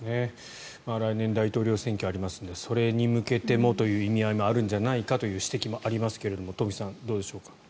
来年大統領選挙がありますのでそれに向けてもという意味合いもあるんじゃないかという指摘もありますが東輝さん、どうでしょうか。